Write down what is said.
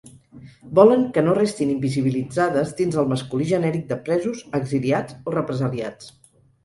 Volen que no restin invisibilitzades dins el masculí genèric de presos, exiliats o represaliats.